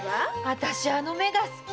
私あの目が好き。